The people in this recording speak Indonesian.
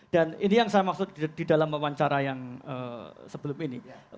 dan ini yang saya maksud di dalam wawancara yang sebelum ini